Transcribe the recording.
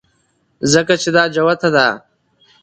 ځکه چې دا جوته ده